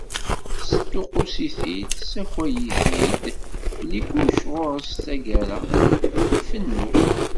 Tesduqqus-it-id, tessakay-it-id belli kullec ɣur-s taggara, ifennu.